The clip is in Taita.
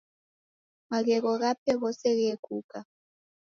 Maghegho ghape ghose ghekuka.